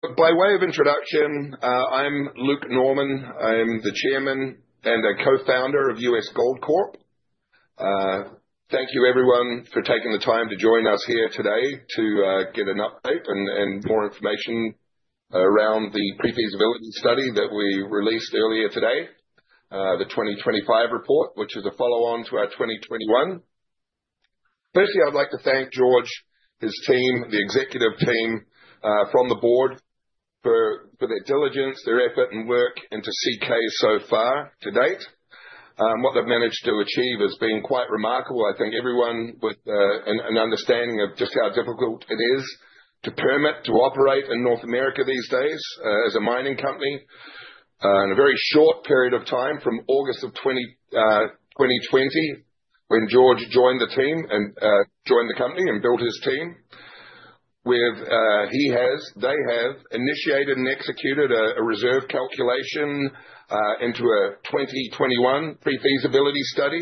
By way of introduction, I'm Luke Norman. I'm the Chairman and a Co-founder of U.S. Gold Corp. Thank you everyone for taking the time to join us here today to get an update and, and more information around the Pre-Feasibility Study that we released earlier today. The 2025 report, which is a follow on to our 2021. Firstly, I'd like to thank George, his team, the executive team, from the board, for, for their diligence, their effort and work, and to CK so far to date. What they've managed to achieve has been quite remarkable. I think everyone with an, an understanding of just how difficult it is to permit, to operate in North America these days, as a mining company. In a very short period of time, from August of 2020, when George joined the team and joined the company and built his team, they have initiated and executed a reserve calculation into a 2021 Pre-Feasibility Study.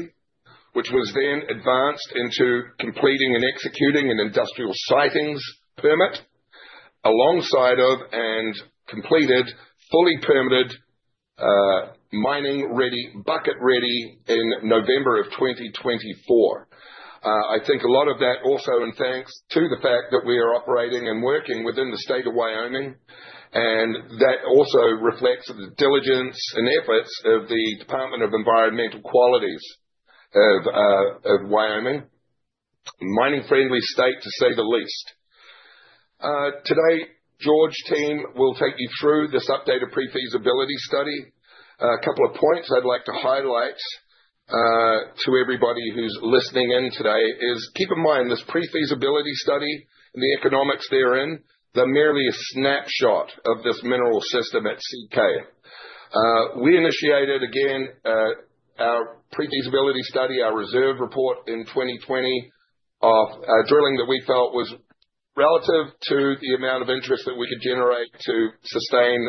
Which was then advanced into completing and executing an Industrial Siting Permit, alongside of and completed, fully permitted, mining-ready, bucket ready in November of 2024. I think a lot of that also in thanks to the fact that we are operating and working within the state of Wyoming, and that also reflects the diligence and efforts of the Department of Environmental Quality of Wyoming. A mining-friendly state, to say the least. Today, George team will take you through this updated Pre-Feasibility Study. A couple of points I'd like to highlight to everybody who's listening in today is, keep in mind, this pre-feasibility study and the economics therein, they're merely a snapshot of this mineral system at CK. We initiated, again, our pre-feasibility study, our reserve report in 2020, of drilling that we felt was relative to the amount of interest that we could generate to sustain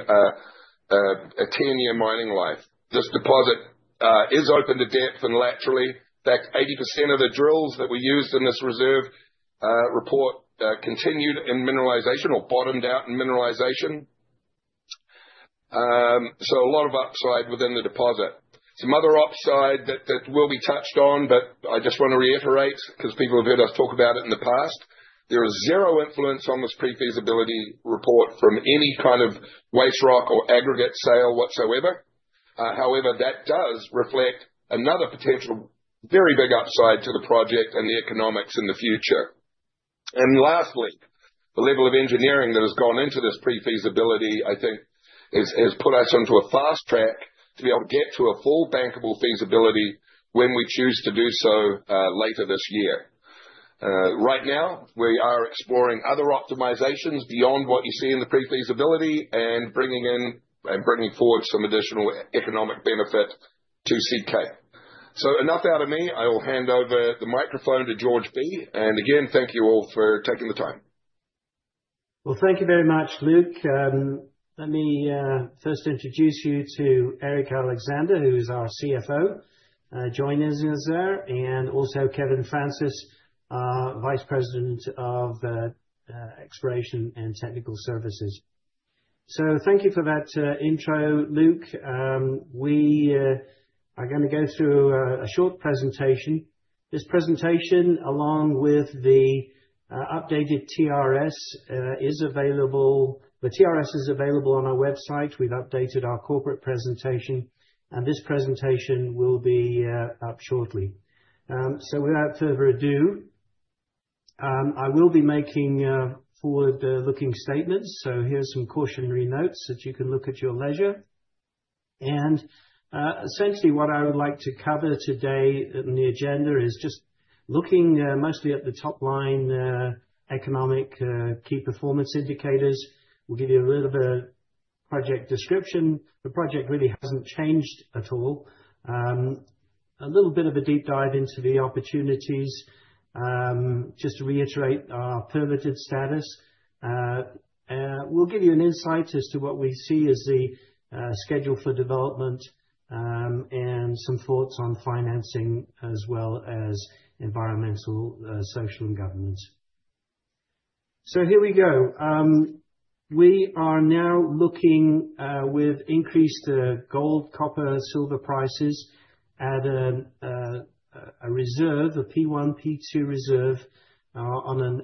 a 10-year mining life. This deposit is open to depth and laterally. In fact, 80% of the drills that we used in this reserve report continued in mineralization or bottomed out in mineralization. A lot of upside within the deposit. Some other upside that, that will be touched on, but I just want to reiterate, because people have heard us talk about it in the past, there is zero influence on this pre-feasibility report from any kind of waste rock or aggregate sale whatsoever. However, that does reflect another potential very big upside to the project and the economics in the future. Lastly, the level of engineering that has gone into this pre-feasibility, I think has, has put us onto a fast track to be able to get to a full bankable feasibility when we choose to do so, later this year. Right now, we are exploring other optimizations beyond what you see in the pre-feasibility, and bringing in, and bringing forward some additional economic benefit to CK. Enough out of me. I will hand over the microphone to George Bee, and again, thank you all for taking the time. Well, thank you very much, Luke. Let me first introduce you to Eric Alexander, who is our CFO, joining us there, and also Kevin Francis, Vice President of Exploration and Technical Services. Thank you for that intro, Luke. We are gonna go through a short presentation. This presentation, along with the updated TRS, is available. The TRS is available on our website. We've updated our corporate presentation, and this presentation will be up shortly. Without further ado, I will be making forward looking statements, so here's some cautionary notes that you can look at your leisure. Essentially what I would like to cover today on the agenda is just looking mostly at the top line, economic, key performance indicators. We'll give you a little bit of a project description. The project really hasn't changed at all. A little bit of a deep dive into the opportunities, just to reiterate our permitted status. We'll give you an insight as to what we see as the schedule for development, and some thoughts on financing, as well as environmental, social and governance. Here we go. We are now looking with increased gold, copper, silver prices at a reserve, a P1, P2 reserve, on a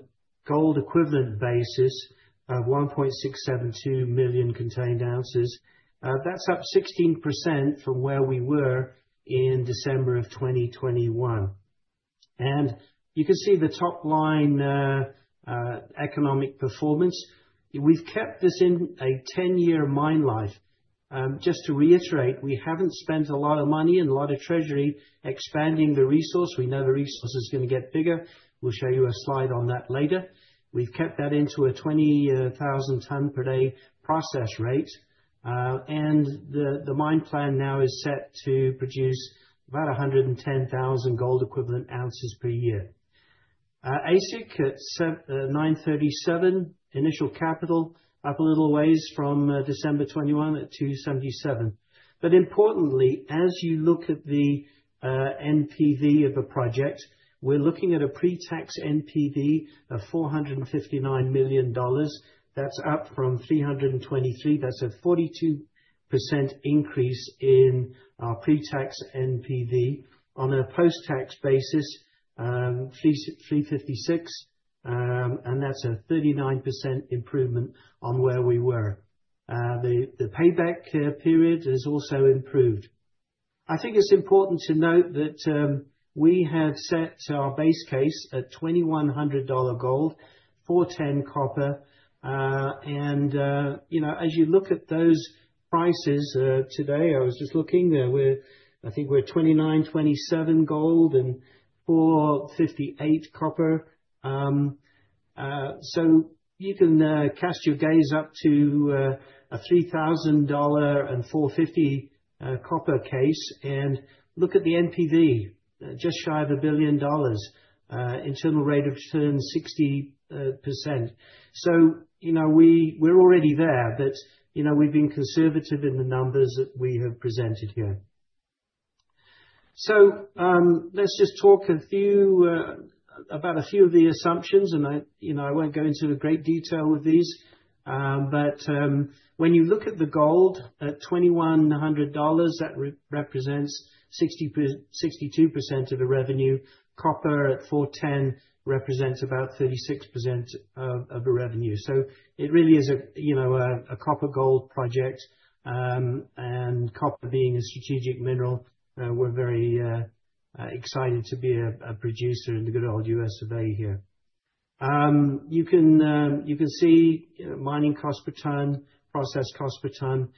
gold equivalent basis, 1.672 million contained ounces. That's up 16% from where we were in December of 2021. You can see the top line economic performance. We've kept this in a 10-year mine life. Just to reiterate, we haven't spent a lot of money and a lot of treasury expanding the resource. We know the resource is gonna get bigger. We'll show you a slide on that later. We've kept that into a 20,000 ton per day process rate. The mine plan now is set to produce about 110,000 gold equivalent ounces per year. AISC at sev- $937. Initial capital up a little ways from December 2021, at $277 million. Importantly, as you look at the NPV of a project, we're looking at a pre-tax NPV of $459 million. That's up from $323 million. That's a 42% increase in our pre-tax NPV. On a post-tax basis, $356, and that's a 39% improvement on where we were. The payback period has also improved. I think it's important to note that we have set our base case at $2,100 gold, $4.10 copper. You know, as you look at those prices today, I was just looking there, I think we're $2,927 gold and $4.58 copper. You can cast your gaze up to a $3,000 and $4.50 copper case, and look at the NPV just shy of $1 billion. Internal rate of return, 60%. You know, we, we're already there, but, you know, we've been conservative in the numbers that we have presented here. Let's just talk a few about a few of the assumptions, and I, you know, I won't go into the great detail with these. When you look at the gold at $2,100, that re- represents 62% of the revenue. Copper at $4.10 represents about 36% of the revenue. It really is, you know, a copper gold project. Copper being a strategic mineral, we're very excited to be a producer in the good old U.S. of A. here. You can see mining cost per ton, process cost per ton.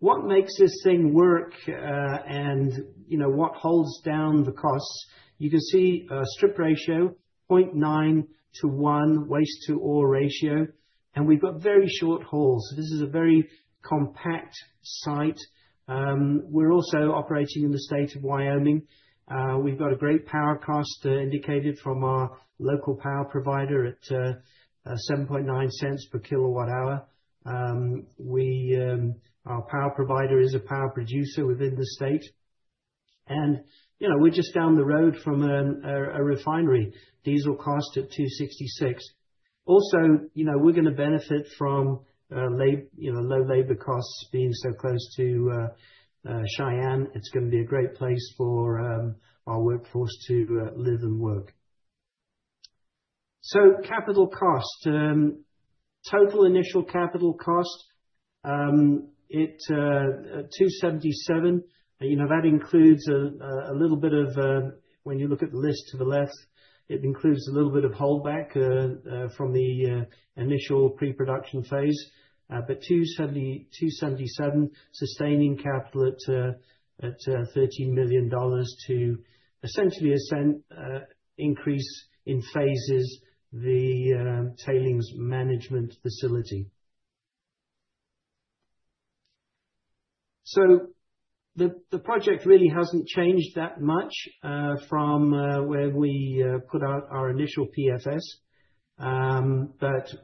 What makes this thing work, and, you know, what holds down the costs, you can see, strip ratio, 0.9 to 1 waste to ore ratio, and we've got very short hauls. This is a very compact site. We're also operating in the state of Wyoming. We've got a great power cost, indicated from our local power provider at $0.079 per kilowatt hour. We, our power provider is a power producer within the state, and, you know, we're just down the road from a, a, a refinery. Diesel cost at $2.66. You know, we're gonna benefit from, you know, low labor costs, being so close to Cheyenne. It's gonna be a great place for our workforce to live and work. Capital cost. Total initial capital cost, it at $277 million, you know, that includes a little bit of, when you look at the list to the left, it includes a little bit of holdback from the initial pre-production phase. $277 million, sustaining capital at $13 million to essentially ascend, increase, in phases, the tailings management facility. The project really hasn't changed that much from where we put out our initial PFS.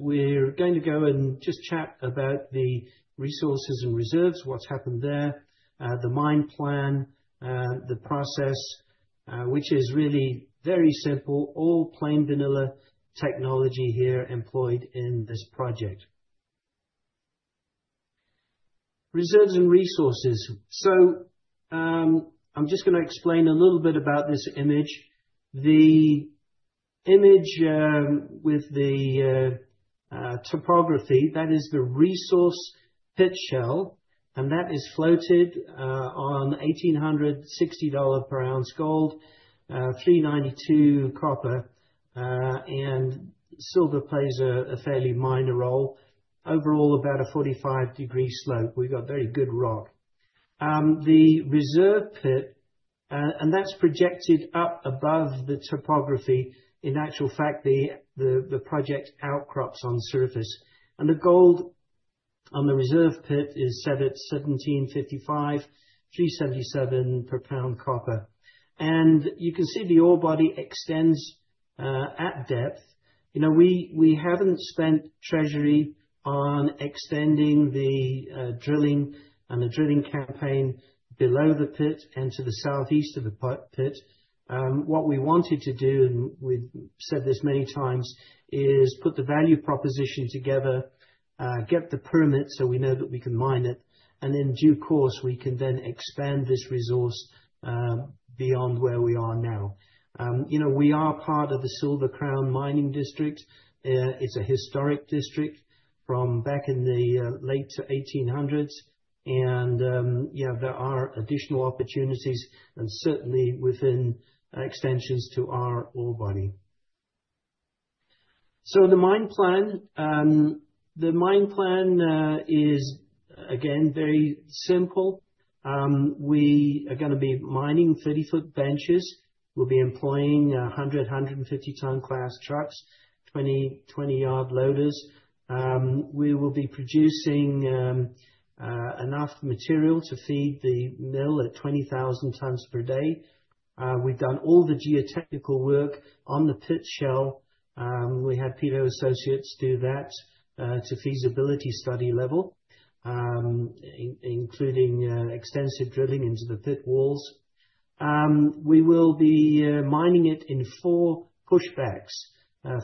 We're going to go and just chat about the resources and reserves, what's happened there, the mine plan, the process, which is really very simple. All plain vanilla technology here employed in this project. Reserves and resources. I'm just gonna explain a little bit about this image. The image with the topography, that is the resource pit shell, that is floated on $1,860 per ounce gold, $3.92 copper, silver plays a fairly minor role. Overall, about a 45 degree slope. We've got very good rock. The reserve pit, that's projected up above the topography. In actual fact, the project outcrops on surface, the gold on the reserve pit is set at $1,755, $3.77 per pound copper. You can see the ore body extends at depth. You know, we haven't spent treasury on extending the drilling and the drilling campaign below the pit and to the southeast of the pit. What we wanted to do, and we've said this many times, is put the value proposition together, get the permit so we know that we can mine it, and in due course, we can then expand this resource, beyond where we are now. You know, we are part of the Silver Crown mining district. It's a historic district from back in the late 1800s, and, yeah, there are additional opportunities, and certainly within extensions to our ore body. The mine plan. The mine plan is again, very simple. We are gonna be mining 30-foot benches. We'll be employing 150 ton class trucks, 20-yard loaders. We will be producing enough material to feed the mill at 20,000 tons per day. We've done all the geotechnical work on the pit shell. We had Piteau Associates do that to feasibility study level. Including extensive drilling into the pit walls. We will be mining it in four pushbacks,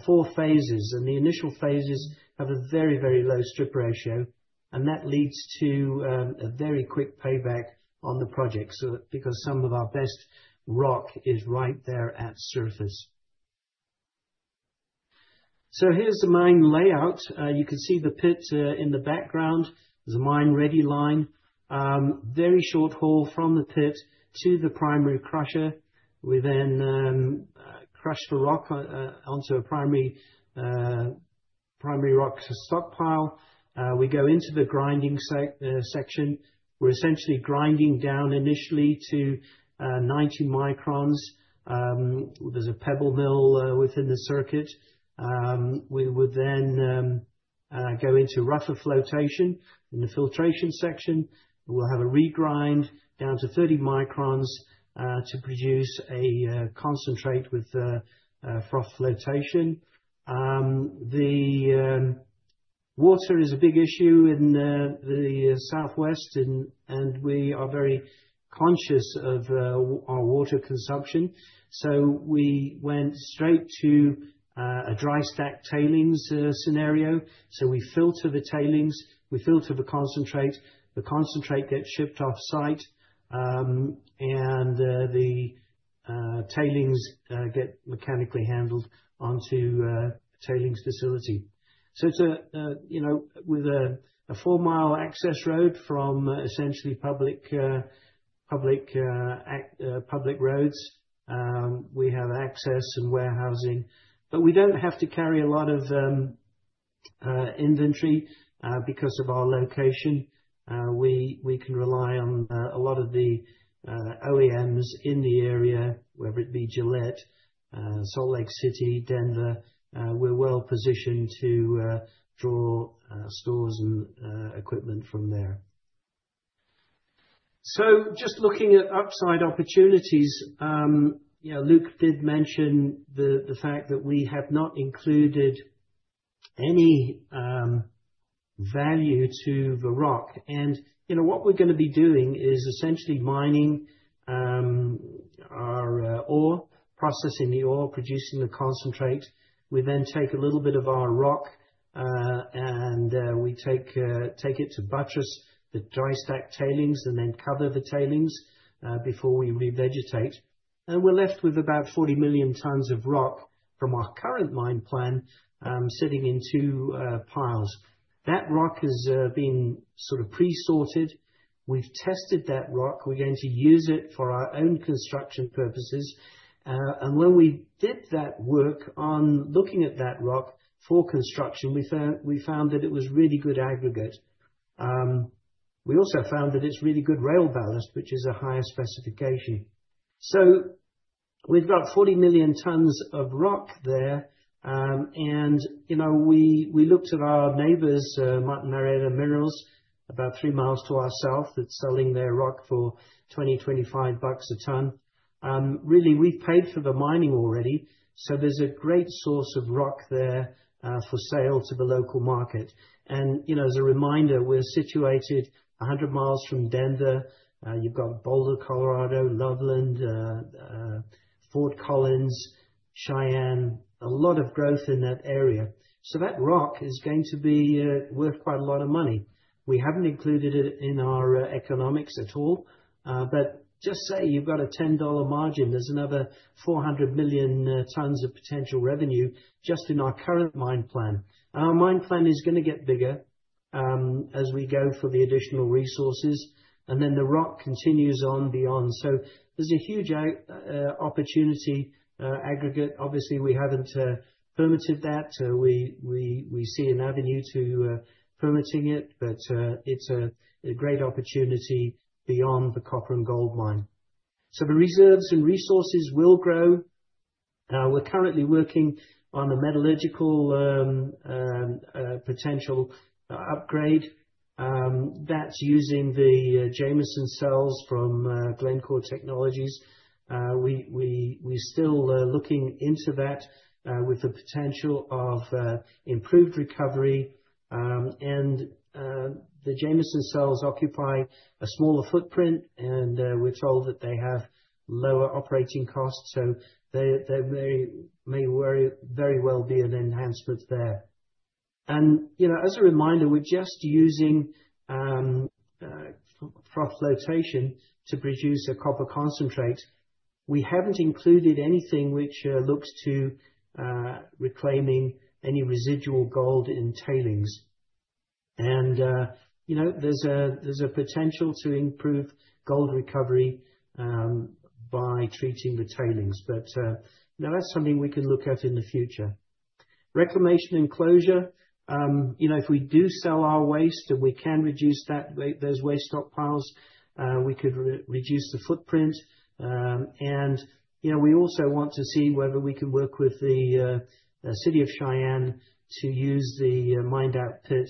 four phases, The initial phases have a very, very low strip ratio, and that leads to a very quick payback on the project, so that, because some of our best rock is right there at surface. Here's the mine layout. You can see the pit in the background. There's a mine-ready line. Very short haul from the pit to the primary crusher. We then crush the rock onto a primary, primary rock stockpile. We go into the grinding section. We're essentially grinding down initially to 90 microns. There's a pebble mill within the circuit. We would then go into rougher flotation in the filtration section. We'll have a regrind down to 30 microns to produce a concentrate with froth flotation. The water is a big issue in the southwest and we are very conscious of our water consumption, so we went straight to a dry stack tailings scenario. We filter the tailings, we filter the concentrate. The concentrate gets shipped offsite, and the tailings get mechanically handled onto a tailings facility. It's a, you know, with a 4-mile access road from essentially public, a public roads, we have access and warehousing. We don't have to carry a lot of inventory because of our location. We, we can rely on a lot of the OEMs in the area, whether it be Gillette, Salt Lake City, Denver, we're well positioned to draw stores and equipment from there. Just looking at upside opportunities, you know, Luke did mention the fact that we have not included any value to the rock. You know, what we're gonna be doing is essentially mining our ore, processing the ore, producing the concentrate. We then take a little bit of our rock and we take take it to buttress the dry stack tailings, and then cover the tailings before we revegetate. We're left with about 40 million tons of rock from our current mine plan, sitting in two piles. That rock has been sort of pre-sorted. We've tested that rock. We're going to use it for our own construction purposes. And when we did that work on looking at that rock for construction, we found, we found that it was really good aggregate. We also found that it's really good rail ballast, which is a higher specification. So we've got 40 million tons of rock there, and, you know, we, we looked at our neighbors, Mountain Area Minerals, about 3 miles to our south, that's selling their rock for $20-$25 a ton. Really, we've paid for the mining already, so there's a great source of rock there, for sale to the local market. And, you know, as a reminder, we're situated 100 miles from Denver. You've got Boulder, Colorado, Loveland, Fort Collins, Cheyenne, a lot of growth in that area. That rock is going to be worth quite a lot of money. We haven't included it in our economics at all, but just say you've got a $10 margin, there's another $400 million tons of potential revenue just in our current mine plan. Our mine plan is gonna get bigger, as we go for the additional resources, and then the rock continues on beyond. There's a huge out opportunity aggregate. Obviously, we haven't permitted that. We, we, we see an avenue to permitting it, but it's a great opportunity beyond the copper and gold mine. The reserves and resources will grow. We're currently working on the metallurgical potential upgrade. That's using the Jameson cells from Glencore Technology. We, we, we're still looking into that with the potential of improved recovery. The Jameson Cell occupy a smaller footprint, and we're told that they have lower operating costs, so there, there may, may very well be an enhancement there. You know, as a reminder, we're just using froth flotation to produce a copper concentrate. We haven't included anything which looks to reclaiming any residual gold in tailings. You know, there's a, there's a potential to improve gold recovery by treating the tailings, but now, that's something we can look at in the future. Reclamation and closure. You know, if we do sell our waste, we can reduce that, those waste stockpiles. We could re- reduce the footprint. You know, we also want to see whether we can work with the city of Cheyenne to use the mined-out pit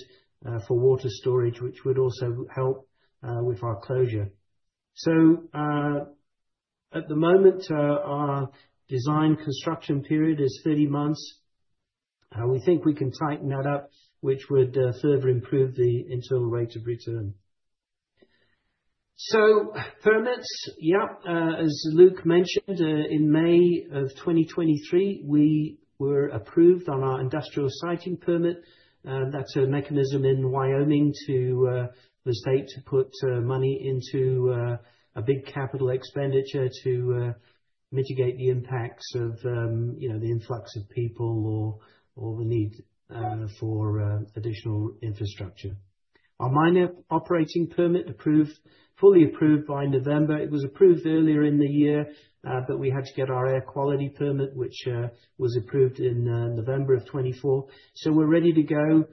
for water storage, which would also help with our closure. At the moment, our design construction period is 30 months. We think we can tighten that up, which would further improve the internal rate of return. Permits, yeah, as Luke mentioned, in May of 2023, we were approved on our Industrial Siting Permit. That's a mechanism in Wyoming to the state to put money into a big capital expenditure to mitigate the impacts of, you know, the influx of people or, or the need for additional infrastructure. Our Mine Operating Permit approved, fully approved by November. It was approved earlier in the year, but we had to get our Air Quality Permit, which was approved in November 2024. We're ready to go.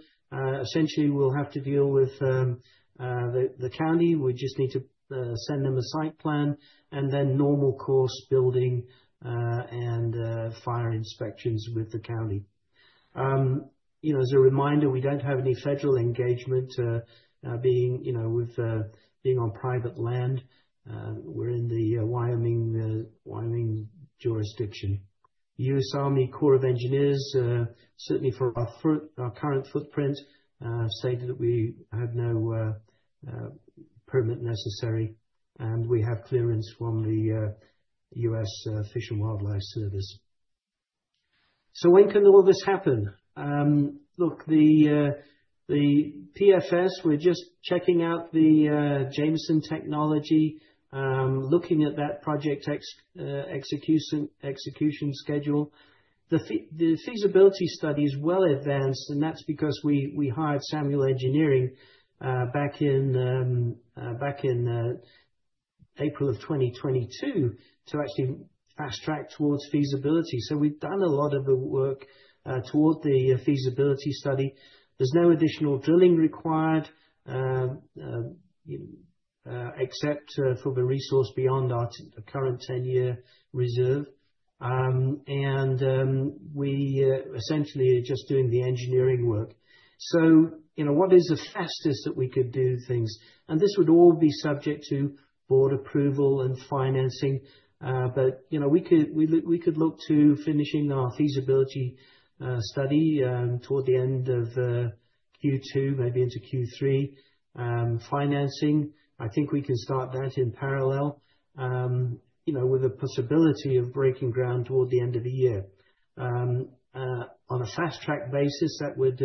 Essentially, we'll have to deal with the county. We just need to send them a site plan and then normal course building and fire inspections with the county. You know, as a reminder, we don't have any federal engagement, being, you know, with being on private land. We're in the Wyoming, Wyoming jurisdiction. U.S. Army Corps of Engineers, certainly for our foot- our current footprint, say that we have no permit necessary, and we have clearance from the U.S. Fish and Wildlife Service. When can all this happen? Look, the PFS, we're just checking out the Jameson technology, looking at that project execution, execution schedule. The feasibility study is well advanced, and that's because we, we hired Samuel Engineering, back in, back in, April of 2022 to actually fast-track towards feasibility. We've done a lot of the work towards the feasibility study. There's no additional drilling required, except for the resource beyond our current 10-year reserve. We essentially are just doing the engineering work. You know, what is the fastest that we could do things? This would all be subject to board approval and financing, but, you know, we could, we could look to finishing our feasibility study toward the end of Q2, maybe into Q3. Financing, I think we can start that in parallel, you know, with a possibility of breaking ground toward the end of the year. On a fast-track basis, that would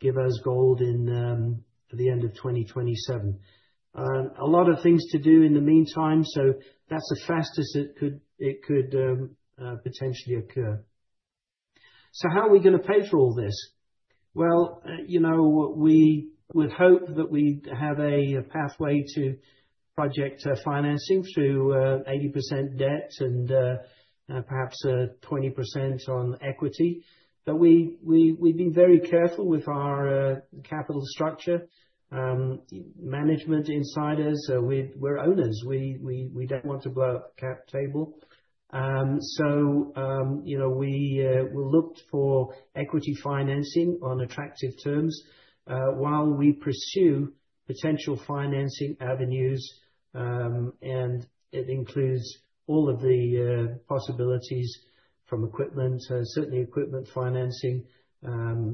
give us gold in the end of 2027. A lot of things to do in the meantime, so that's the fastest it could, it could, potentially occur. How are we gonna pay for all this? Well, you know, we would hope that we have a pathway to project financing through 80% debt and perhaps 20% on equity. We, we, we've been very careful with our capital structure. Management insiders, we're owners. We, we, we don't want to blow out the cap table. You know, we will look for equity financing on attractive terms, while we pursue potential financing avenues, and it includes all of the possibilities from equipment, certainly equipment financing,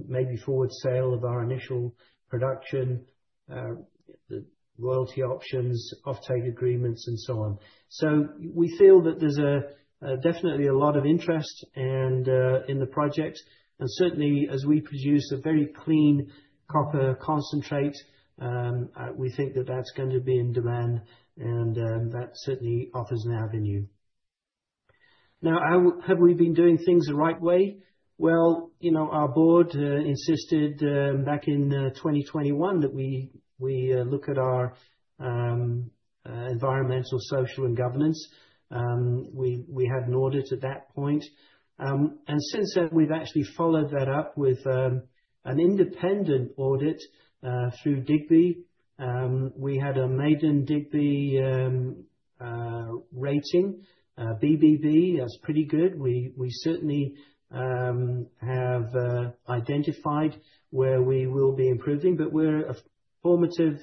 maybe forward sale of our initial production, royalty options, offtake agreements, and so on. We feel that there's a definitely a lot of interest and in the project, and certainly as we produce a very clean copper concentrate, we think that that's going to be in demand, and that certainly offers an avenue. Now, how have we been doing things the right way? Well, you know, our board insisted back in 2021, that we look at our environmental, social, and governance. We, we had an audit at that point, and since then, we've actually followed that up with an independent audit through Digbee. We had a maiden Digbee rating, BBB. That's pretty good. We, we certainly have identified where we will be improving, but we're a formative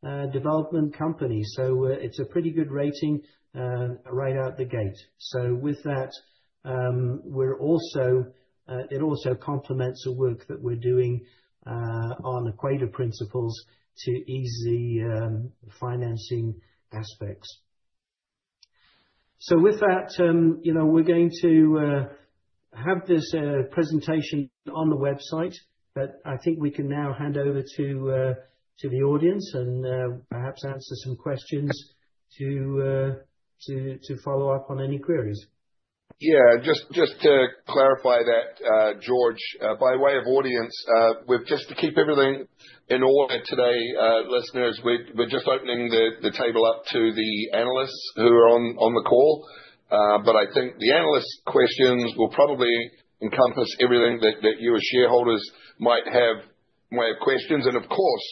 development company, it's a pretty good rating right out the gate. With that, we're also it also complements the work that we're doing on Equator Principles to ease the financing aspects. With that, you know, we're going to have this presentation on the website, but I think we can now hand over to the audience, and perhaps answer some questions to follow up on any queries. Yeah, just, just to clarify that, George, by way of audience, we've just to keep everything in order today, listeners, we're just opening the table up to the analysts who are on the call. I think the analysts' questions will probably encompass everything that you as shareholders might have questions. Of course,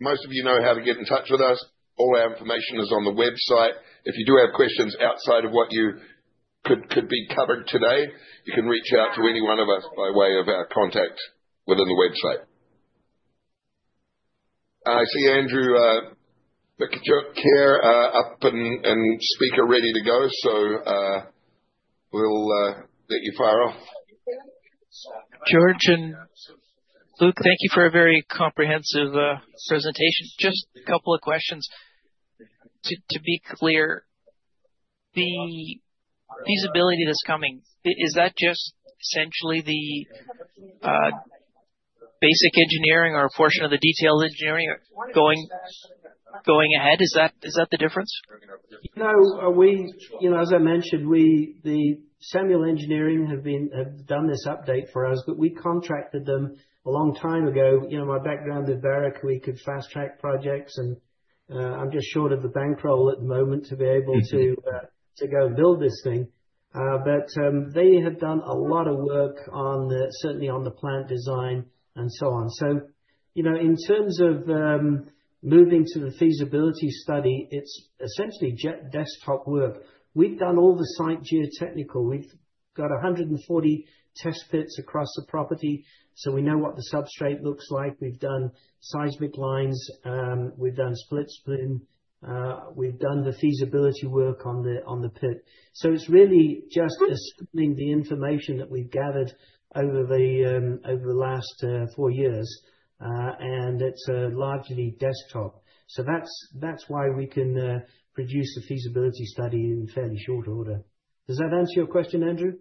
most of you know how to get in touch with us. All our information is on the website. If you do have questions outside of what you could be covered today, you can reach out to any one of us by way of our contact within the website. I see Andrew Mikitchook, up and speaker ready to go. We'll let you fire off. George and Luke, thank you for a very comprehensive, presentation. Just a couple of questions. To, to be clear, the feasibility that's coming, is that just essentially the, basic engineering or a portion of the detailed engineering or going ahead? Is that, is that the difference? No, we, you know, as I mentioned, the Samuel Engineering have done this update for us, but we contracted them a long time ago. You know, my background at Barrick, we could fast-track projects and, I'm just short of the bankroll at the moment to be able to. Mm-hmm... to go build this thing. They have done a lot of work on the, certainly on the plant design and so on. You know, in terms of, moving to the feasibility study, it's essentially de- desktop work. We've done all the site geotechnical. We've got 140 test pits across the property, so we know what the substrate looks like. We've done seismic lines, we've done split spoon, we've done the feasibility work on the, on the pit. It's really just assembling the information that we've gathered over the, over the last, four years. And it's, largely desktop. That's, that's why we can, produce a feasibility study in fairly short order. Does that answer your question, Andrew?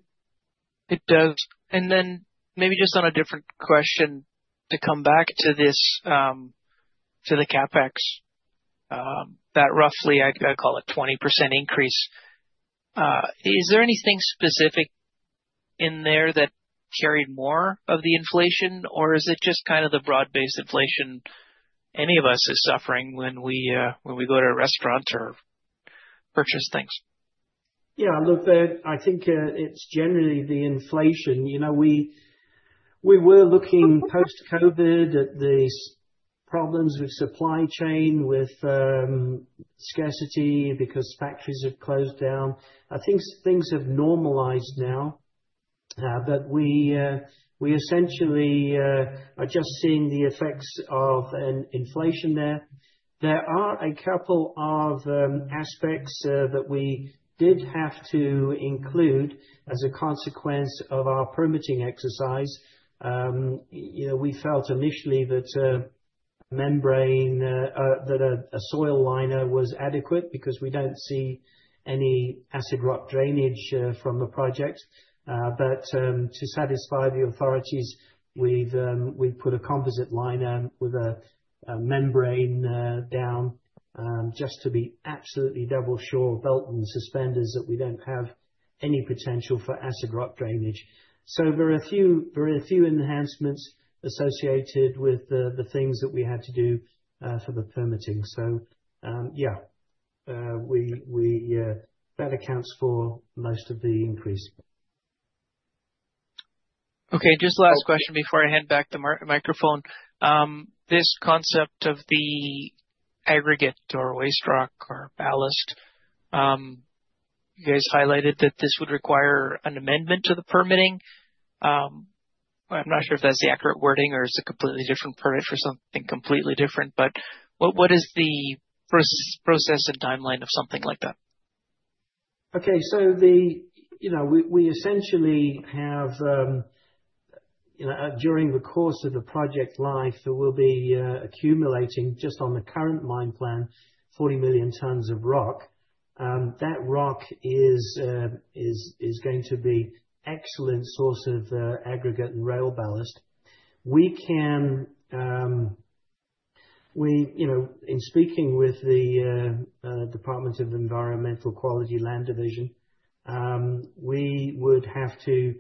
It does. Then maybe just on a different question, to come back to this, to the CapEx, that roughly, I'd, I'd call it 20% increase. Is there anything specific in there that carried more of the inflation, or is it just kind of the broad-based inflation any of us is suffering when we, when we go to a restaurant or purchase things? Yeah, look, I think it's generally the inflation. You know, we were looking post-COVID at problems with supply chain, with scarcity, because factories have closed down. I think things have normalized now, but we essentially are just seeing the effects of an inflation there. There are a couple of aspects that we did have to include as a consequence of our permitting exercise. You know, we felt initially that membrane, that a soil liner was adequate because we don't see any acid rock drainage from the project. But to satisfy the authorities, we've put a composite liner with a membrane down, just to be absolutely double sure, belt and suspenders, that we don't have any potential for acid rock drainage. There are a few, there are a few enhancements associated with the, the things that we had to do, for the permitting. Yeah, we, we, that accounts for most of the increase. Okay, just last question before I hand back the microphone. This concept of the aggregate or waste rock or ballast, you guys highlighted that this would require an amendment to the permitting. I'm not sure if that's the accurate wording or it's a completely different permit for something completely different, but what, what is the process, process and timeline of something like that? Okay, the... You know, we, we essentially have, you know, during the course of the project life, there will be accumulating, just on the current mine plan, 40 million tons of rock. That rock is, is, is going to be excellent source of aggregate and rail ballast. We can, we, you know, in speaking with the Department of Environmental Quality, Land Quality Division, we would have to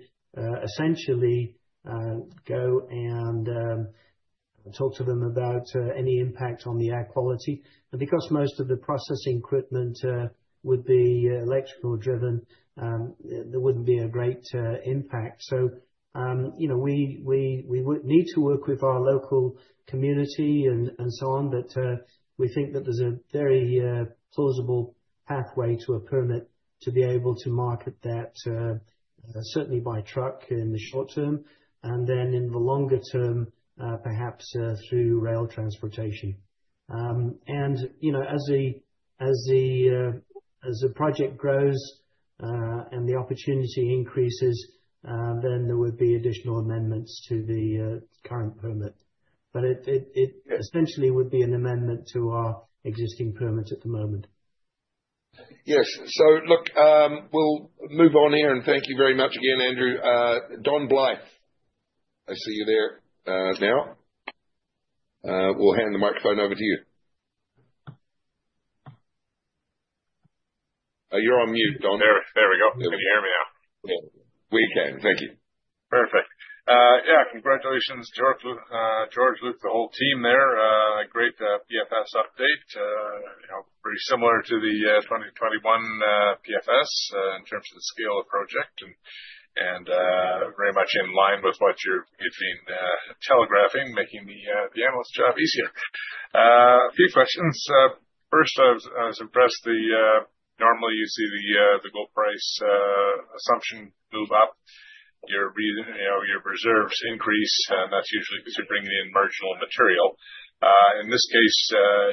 essentially go and talk to them about any impact on the air quality. Because most of the processing equipment would be electrical driven, there wouldn't be a great impact. You know, we, we, we would need to work with our local community and, and so on, but we think that there's a very plausible pathway to a permit to be able to market that, certainly by truck in the short term, and then in the longer term, perhaps through rail transportation. You know, as the, as the project grows, and the opportunity increases, then there would be additional amendments to the current permit. It, it, it essentially would be an amendment to our existing permits at the moment. Yes. Look, we'll move on here, and thank you very much again, Andrew. Don Blyth, I see you there now. We'll hand the microphone over to you. You're on mute, Don. There, there we go. Can you hear me now? Yeah, we can. Thank you. Perfect. Yeah, congratulations, George, George, Luke, the whole team there. Great, PFS update. You know, pretty similar to the 2021 PFS, in terms of the scale of project and, and, very much in line with what you've been telegraphing, making the analyst's job easier. A few questions. First, I was, I was impressed the, normally you see the gold price assumption move up, your re- you know, your reserves increase, and that's usually because you're bringing in marginal material. In this case,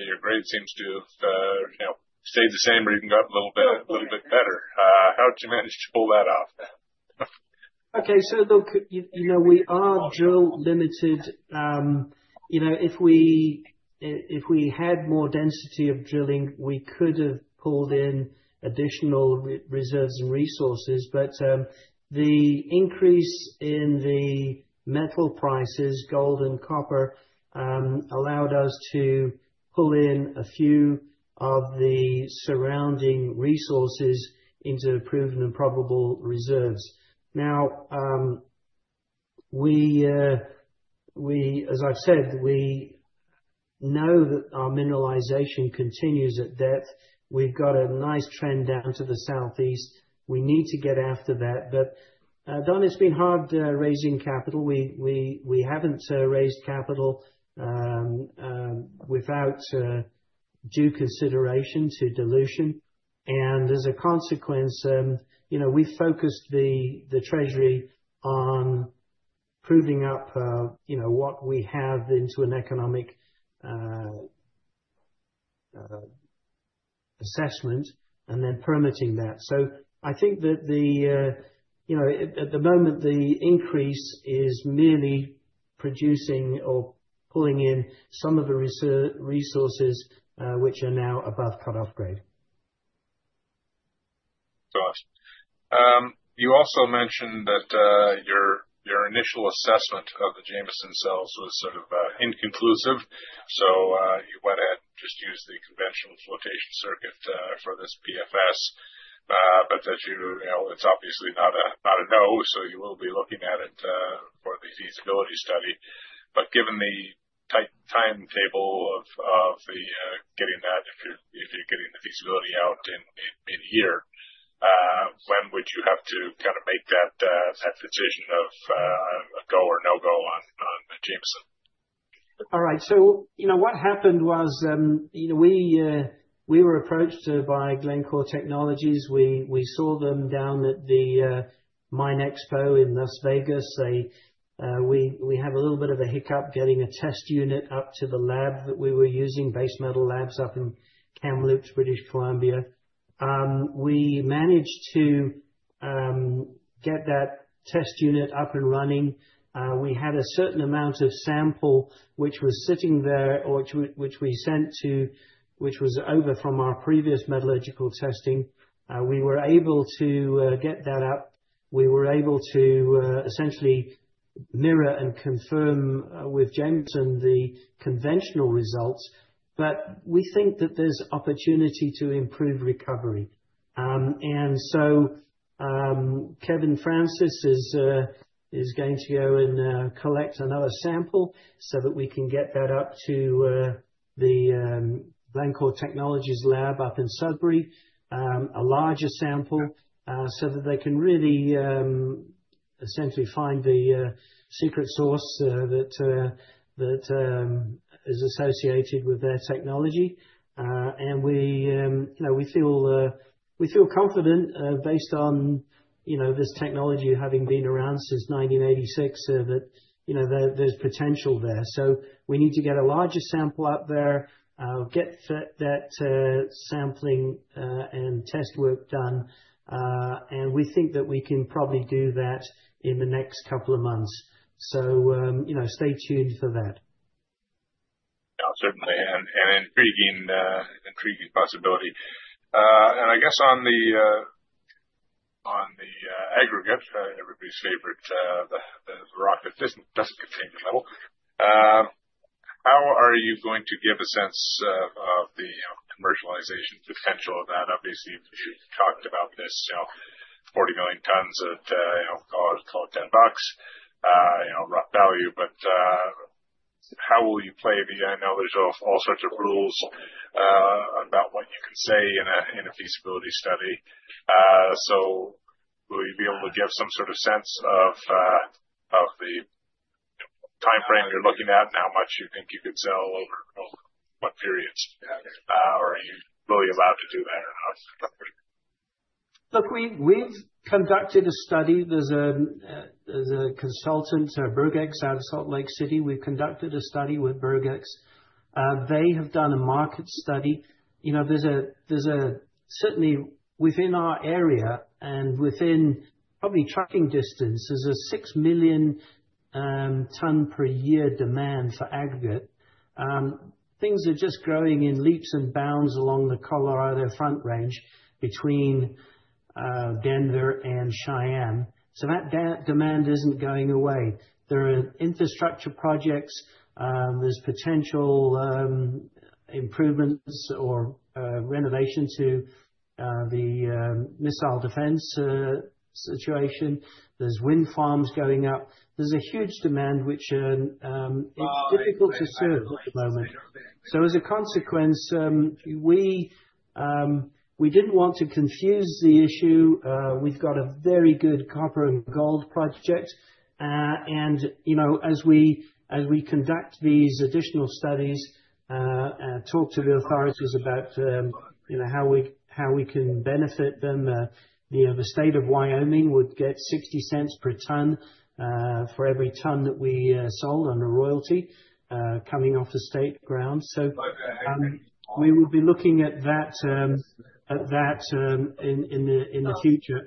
your grade seems to have, you know, stayed the same or even got a little bit, little bit better. How'd you manage to pull that off? Look, you, you know, we are drill limited. You know, if we had more density of drilling, we could have pulled in additional reserves and resources. The increase in the metal prices, gold and copper, allowed us to pull in a few of the surrounding resources into proven and probable reserves. We, as I've said, we know that our mineralization continues at depth. We've got a nice trend down to the southeast. We need to get after that. Don, it's been hard raising capital. We, we, we haven't raised capital without due consideration to dilution. As a consequence, you know, we focused the treasury on proving up, you know, what we have into an economic assessment, and then permitting that. I think that the, you know, at, at the moment, the increase is merely producing or pulling in some of the resources, which are now above cut-off grade. Gotcha. You also mentioned that your initial assessment of the Jameson Cells was sort of inconclusive, so you went ahead and just used the conventional flotation circuit for this PFS. You know, it's obviously not a, not a no, so you will be looking at it for the feasibility study. Given the tight timetable of, of the getting that, if you're, if you're getting the feasibility out in, in, in a year, when would you have to kind of make that decision of a go or no-go on the Jameson? All right. You know, what happened was, you know, we were approached by Glencore Technology. We, we saw them down at the MINExpo INTERNATIONAL in Las Vegas. They, we, we had a little bit of a hiccup getting a test unit up to the lab that we were using, Base Metallurgical Labs, up in Kamloops, British Columbia. We managed to get that test unit up and running. We had a certain amount of sample which was sitting there, or which, which we sent to, which was over from our previous metallurgical testing. We were able to get that up. We were able to essentially mirror and confirm with Jameson, the conventional results. We think that there's opportunity to improve recovery. Kevin Francis is going to go and collect another sample so that we can get that up to the Glencore Technology lab up in Sudbury. A larger sample so that they can really essentially find the secret sauce that that is associated with their technology. We, you know, we feel confident based on, you know, this technology having been around since 1986 that, you know, there, there's potential there. We need to get a larger sample out there, get that, that, sampling and test work done. We think that we can probably do that in the next two months. You know, stay tuned for that. Yeah, certainly, and intriguing, intriguing possibility. I guess on the, on the, aggregate, everybody's favorite, the, the rock that doesn't, doesn't contain metal, how are you going to give a sense of, of the, you know, commercialization potential of that? Obviously, you've talked about this, you know, 40 million tons at, you know, call it, call it $10, you know, rough value. How will you play the... I know there's all, all sorts of rules about what you can say in a, in a feasibility study. Will you be able to give some sort of sense of, of the timeframe you're looking at, and how much you think you could sell over, over what periods? Are you really allowed to do that at all? Look, we, we've conducted a study. There's a consultant, Burgex, out of Salt Lake City. We've conducted a study with Burgex. They have done a market study. You know, there's a, there's a certainly within our area and within probably trucking distance, there's a 6 million ton per year demand for aggregate. Things are just growing in leaps and bounds along the Colorado Front Range between Denver and Cheyenne. That demand isn't going away. There are infrastructure projects. There's potential improvements or renovation to the missile defense situation. There's wind farms going up. There's a huge demand, which is difficult to serve at the moment. As a consequence, we didn't want to confuse the issue. We've got a very good copper and gold project. You know, as we, as we conduct these additional studies, talk to the authorities about, you know, how we, how we can benefit them, you know, the state of Wyoming would get $0.60 per ton, for every ton that we sold on a royalty, coming off the state grounds. Okay. We will be looking at that, at that, in, in the, in the future.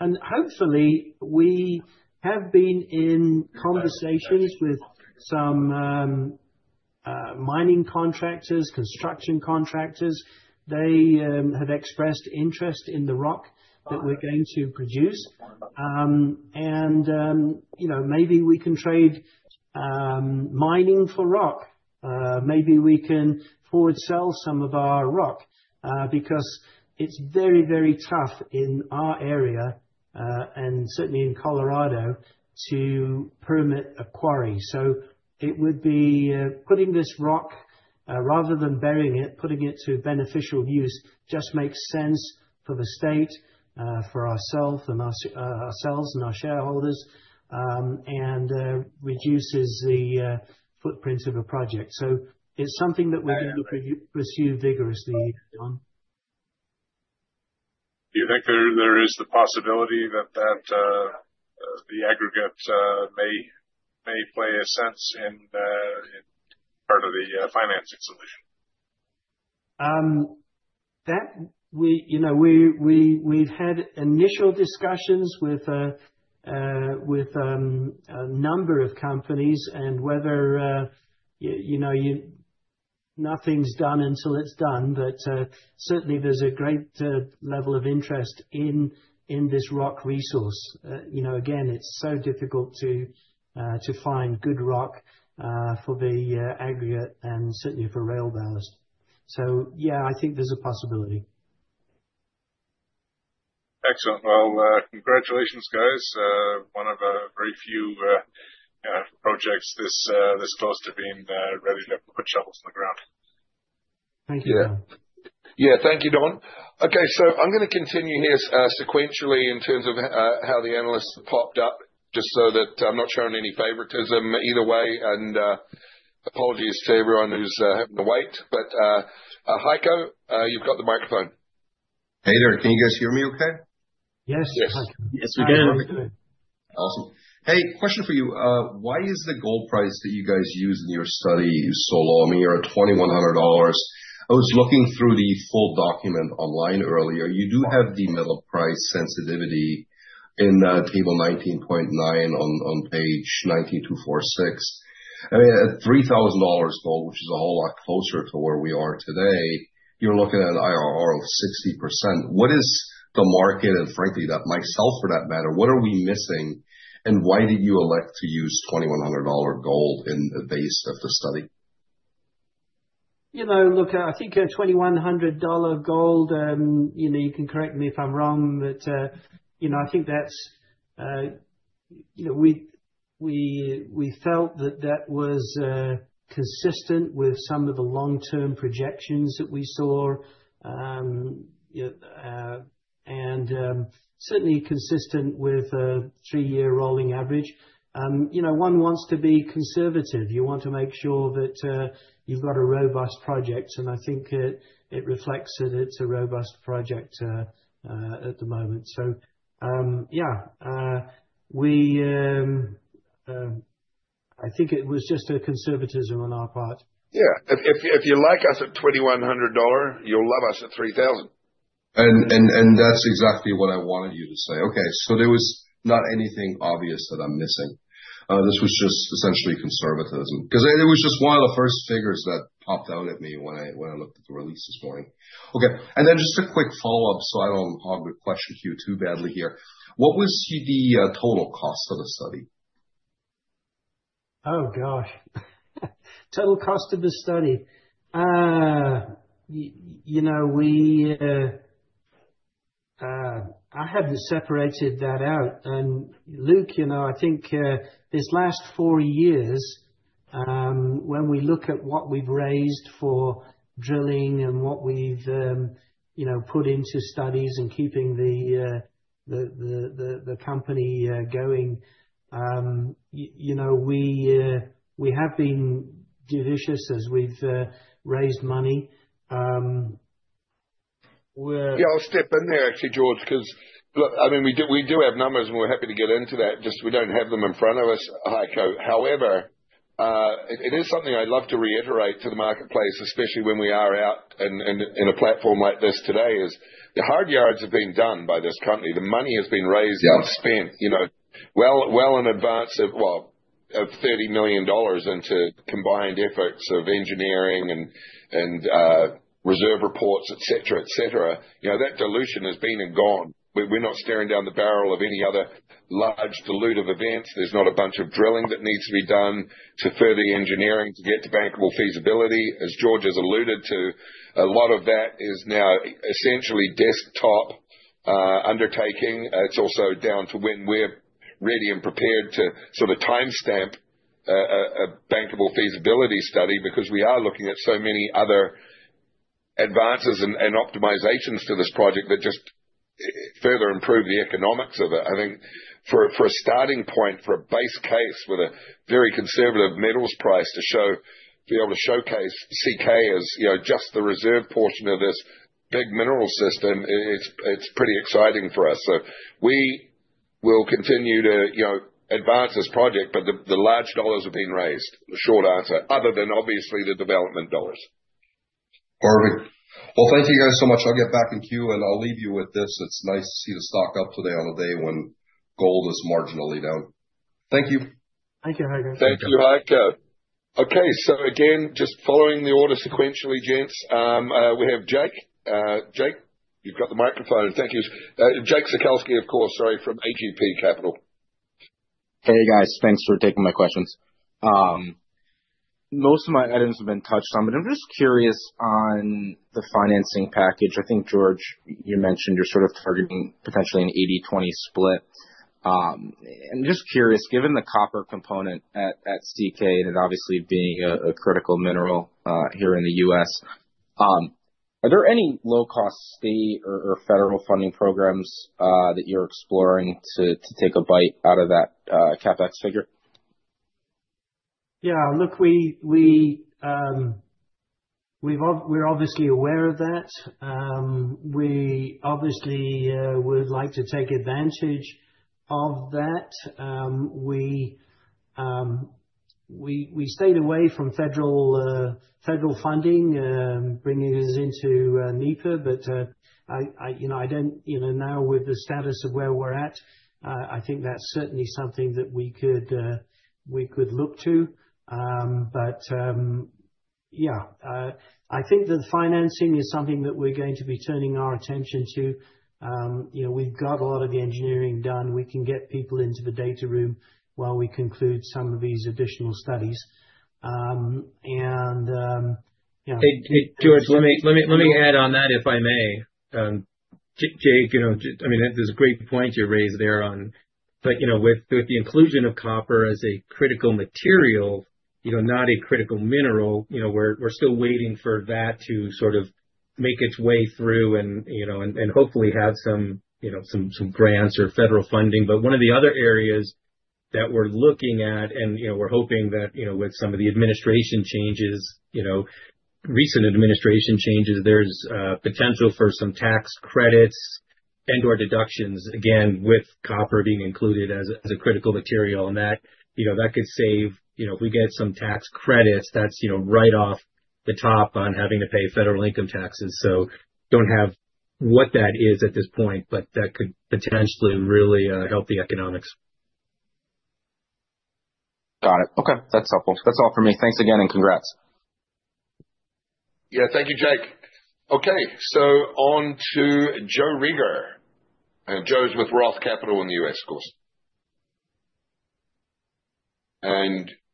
Hopefully, we have been in conversations with some mining contractors, construction contractors, they have expressed interest in the rock that we're going to produce. You know, maybe we can trade mining for rock. Maybe we can forward sell some of our rock, because it's very, very tough in our area, and certainly in Colorado, to permit a quarry. It would be putting this rock, rather than burying it, putting it to beneficial use, just makes sense for the state, for ourself and our, ourselves and our shareholders, and reduces the footprint of a project. It's something that we're gonna pursue, pursue vigorously, Don. Do you think there, there is the possibility that, that, the aggregate, may, may play a sense in, in part of the, financing solution? That we, you know, we, we, we've had initial discussions with, with a number of companies and whether, you, you know, you... Nothing's done until it's done, but certainly there's a great level of interest in this rock resource. You know, again, it's so difficult to find good rock for the aggregate and certainly for rail ballast. Yeah, I think there's a possibility. Excellent. Well, congratulations, guys. One of a very few projects this close to being ready to put shovels in the ground. Thank you, Don. Yeah. Yeah. Thank you, Don. Okay, I'm gonna continue here, sequentially in terms of how the analysts have popped up, just so that I'm not showing any favoritism either way, and apologies to everyone who's having to wait, but Heiko Ihle, you've got the microphone. Hey there. Can you guys hear me okay? Yes. Yes. Yes, we can. Awesome. Hey, question for you. Why is the gold price that you guys use in your study so low? I mean, you're at $2,100. I was looking through the full document online earlier. You do have the metal price sensitivity in table 19.9, on page 9246. I mean, at $3,000 gold, which is a whole lot closer to where we are today, you're looking at an IRR of 60%. What is the market, and frankly, that myself for that matter, what are we missing, and why did you elect to use $2,100 gold in the base of the study? You know, look, I think at $2,100 gold, you know, you can correct me if I'm wrong, but, you know, I think that's, you know, we, we, we felt that that was consistent with some of the long-term projections that we saw. Certainly consistent with a three-year rolling average. You know, one wants to be conservative. You want to make sure that you've got a robust project, and I think it reflects that it's a robust project at the moment. Yeah, we, I think it was just a conservatism on our part. Yeah. If, if, if you like us at $2,100, you'll love us at $3,000. That's exactly what I wanted you to say. There was not anything obvious that I'm missing. This was just essentially conservatism, because it was just one of the first figures that popped out at me when I, when I looked at the release this morning. Then just a quick follow-up, so I don't hog your question queue too badly here. What was the total cost of the study? Oh, gosh! Total cost of the study. You know, we, I haven't separated that out. Luke, you know, I think, this last four years, when we look at what we've raised for drilling and what we've, you know, put into studies and keeping the, the, the, the, the company, going, you know, we, we have been judicious as we've, raised money. Yeah, I'll step in there, actually, George, 'cause look, I mean, we do, we do have numbers, and we're happy to get into that. Just, we don't have them in front of us, Heiko. However, it, it is something I'd love to reiterate to the marketplace, especially when we are out in, in, in a platform like this today, is the hard yards have been done by this company. The money has been raised- Yeah spent, you know, well, well in advance of, well, of $30 million into combined efforts of engineering and, and reserve reports, et cetera, et cetera. You know, that dilution has been and gone. We're not staring down the barrel of any other large dilutive events. There's not a bunch of drilling that needs to be done to further the engineering to get to bankable feasibility. As George has alluded to, a lot of that is now essentially desktop undertaking. It's also down to when we're ready and prepared to sort of timestamp a bankable feasibility study, because we are looking at so many other advances and, and optimizations to this project that just further improve the economics of it. I think for a, for a starting point, for a base case, with a very conservative metals price to be able to showcase CK as, you know, just the reserve portion of this big mineral system, it, it's, it's pretty exciting for us. We will continue to, you know, advance this project, but the, the large dollars have been raised. The short answer. Other than obviously the development dollars. Perfect. Well, thank you guys so much. I'll get back in queue, and I'll leave you with this. It's nice to see the stock up today on a day when gold is marginally down. Thank you. Thank you, Heiko. Thank you, Heiko. Okay, again, just following the order sequentially, gents, we have Jake. Jake, you've got the microphone. Thank you. Jake Sekelsky, of course, sorry, from AGP Capital. Hey, guys, thanks for taking my questions. Most of my items have been touched on, but I'm just curious on the financing package. I think, George, you mentioned you're sort of targeting potentially an 80-20 split. I'm just curious, given the copper component at CK, and it obviously being a critical mineral here in the U.S., are there any low-cost state or federal funding programs that you're exploring to take a bite out of that CapEx figure? Yeah, look, we, we, we've we're obviously aware of that. We obviously would like to take advantage of that. We, we, we stayed away from federal, federal funding, bringing us into NEPA. I, I, you know, I don't, you know, now with the status of where we're at, I think that's certainly something that we could, we could look to. Yeah, I think that financing is something that we're going to be turning our attention to. You know, we've got a lot of the engineering done. We can get people into the data room while we conclude some of these additional studies. You know. Hey, hey, George, let me, let me, let me add on that, if I may. Jake, you know, I mean, there's a great point you raised there on. You know, with, with the inclusion of copper as a critical material, you know, not a critical mineral, you know, we're, we're still waiting for that to sort of make its way through and, you know, and, and hopefully have some, you know, some, some grants or federal funding. One of the other areas that we're looking at, and, you know, we're hoping that, you know, with some of the administration changes, you know, recent administration changes, there's potential for some tax credits and/or deductions, again, with copper being included as a, as a critical material. That, you know, that could save, you know, if we get some tax credits, that's, you know, right off the top on having to pay federal income taxes. Don't have what that is at this point, but that could potentially really help the economics. Got it. Okay, that's helpful. That's all for me. Thanks again. Congrats. Yeah. Thank you, Jake. Okay, on to Joseph Reagor. Joe's with Roth Capital Partners in the U.S., of course.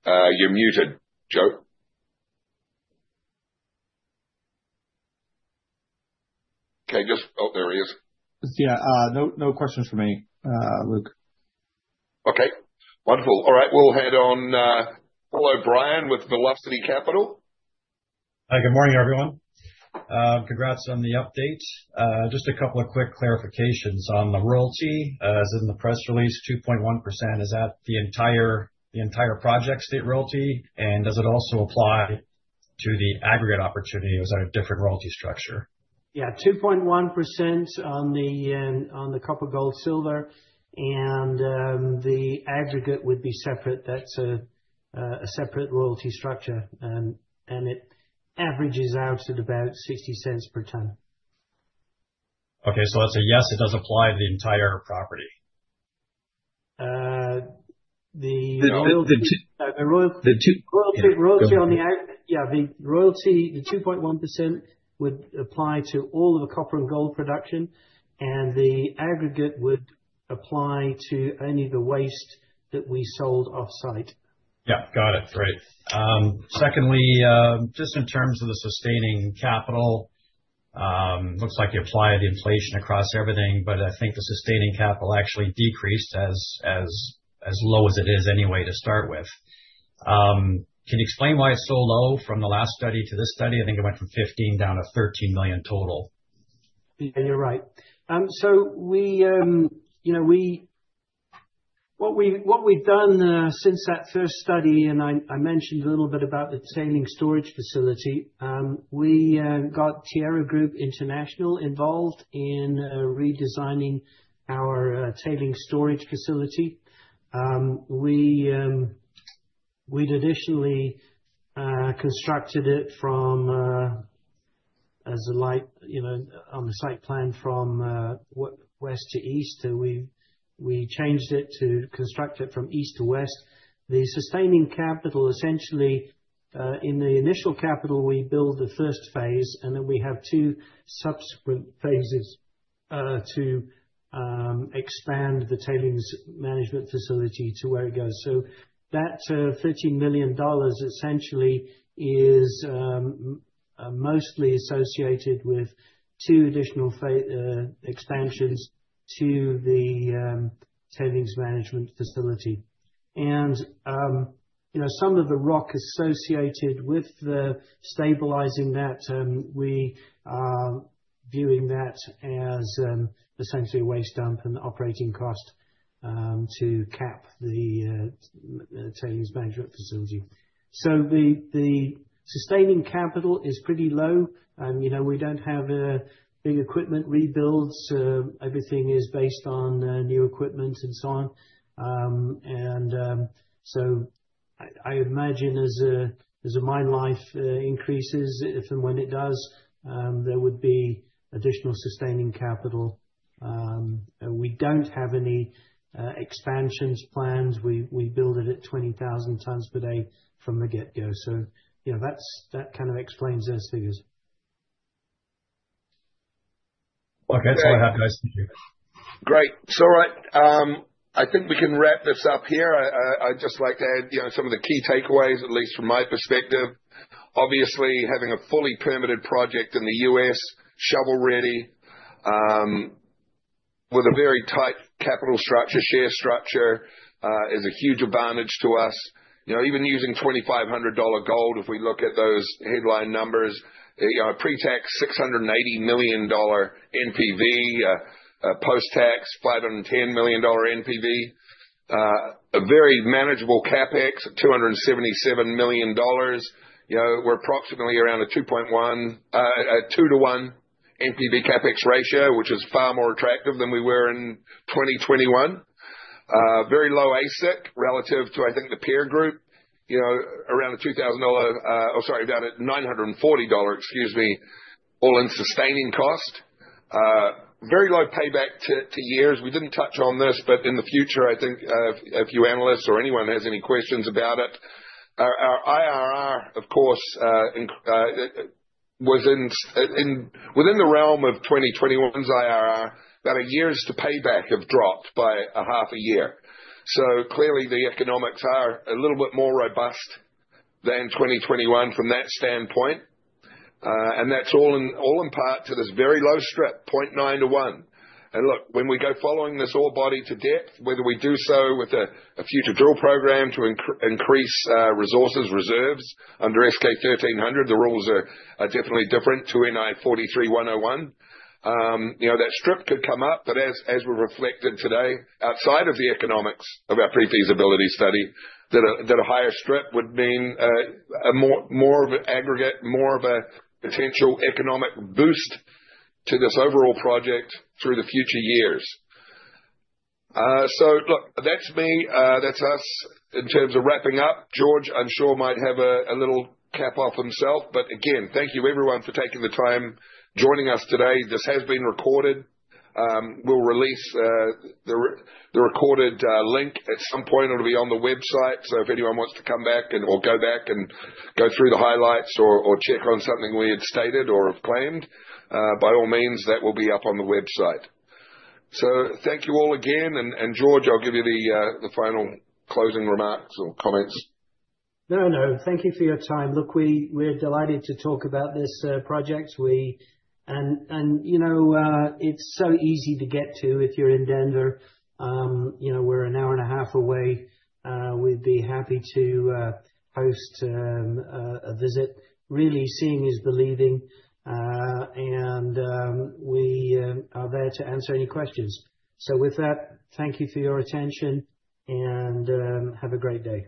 You're muted, Joe. Okay, just Oh, there he is. Yeah, no, no questions for me, Luke. Okay, wonderful! All right, we'll head on, Paul O'Brien with Velocity Capital. Good morning, everyone. Congrats on the update. Just a couple of quick clarifications on the royalty. As in the press release, 2.1%, is that the entire, the entire project state royalty, and does it also apply to the aggregate opportunity, or is that a different royalty structure? Yeah, 2.1% on the on the copper, gold, silver. The aggregate would be separate. That's a separate royalty structure. It averages out at about $0.60 per ton. Okay, I'd say, yes, it does apply to the entire property. Uh, the- The two- The royal- The two- Royalty, on the Go ahead. Yeah, the royalty, the 2.1% would apply to all of the copper and gold production, and the aggregate would apply to only the waste that we sold off-site. Yeah. Got it. Great. Secondly, just in terms of the sustaining capital, looks like you applied inflation across everything, but I think the sustaining capital actually decreased as, as, as low as it is anyway to start with. Can you explain why it's so low from the last study to this study? I think it went from 15 down to $13 million total. Yeah, you're right. What we've done since that first study, and I, I mentioned a little bit about the tailings storage facility, we got Tierra Group International involved in redesigning our tailings storage facility. We, we'd additionally constructed it from, as a light, you know, on the site plan from west to east, and we, we changed it to construct it from east to west. The sustaining capital, essentially, in the initial capital, we build the first phase, and then we have two subsequent phases to expand the tailings management facility to where it goes. That $13 million essentially is mostly associated with two additional expansions to the tailings management facility. You know, some of the rock associated with the stabilizing that, we are viewing that as, essentially waste dump and operating cost, to cap the tailings management facility. The sustaining capital is pretty low. You know, we don't have big equipment rebuilds. Everything is based on new equipment and so on. I imagine as a, as a mine life increases, if and when it does, there would be additional sustaining capital. We don't have any expansions plans. We, we build it at 20,000 tons per day from the get-go. You know, that kind of explains those figures. Okay, that's all I have, guys. Thank you. Right, I think we can wrap this up here. I, I, I'd just like to add, you know, some of the key takeaways, at least from my perspective. Obviously, having a fully permitted project in the U.S., shovel-ready, with a very tight capital structure, share structure, is a huge advantage to us. You know, even using $2,500 gold, if we look at those headline numbers, you know, pre-tax, $680 million NPV, post-tax, $510 million NPV. A very manageable CapEx of $277 million. You know, we're approximately around a 2 to 1 NPV CapEx ratio, which is far more attractive than we were in 2021. Very low AISC relative to, I think, the peer group. You know, around the $2,000, or sorry, about a $940, excuse me, all-in sustaining cost. Very low payback to years. We didn't touch on this, but in the future, I think, if you analysts or anyone has any questions about it, our IRR, of course, was within the realm of 2021's IRR, but our years to payback have dropped by a half a year. Clearly, the economics are a little bit more robust than 2021, from that standpoint. And that's all in, all in part to this very low strip, 0.9 to 1. Look, when we go following this ore body to depth, whether we do so with a future drill program to increase resources, reserves under S-K 1300, the rules are definitely different to NI 43-101. You know, that strip could come up, but as we reflected today, outside of the economics of our pre-feasibility study, that a higher strip would mean a more of an aggregate, more of a potential economic boost to this overall project through the future years. Look, that's me, that's us in terms of wrapping up. George, I'm sure, might have a little cap off himself, but again, thank you everyone for taking the time joining us today. This has been recorded. We'll release the recorded link at some point. It'll be on the website. If anyone wants to come back and, or go back and go through the highlights or, or check on something we had stated or have claimed, by all means, that will be up on the website. Thank you all again. George, I'll give you the final closing remarks or comments. No, no, thank you for your time. Look, we, we're delighted to talk about this project. You know, it's so easy to get to if you're in Denver. You know, we're an hour and a half away. We'd be happy to host a visit. Really, seeing is believing, and we are there to answer any questions. With that, thank you for your attention and have a great day.